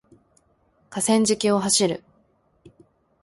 河川敷を走る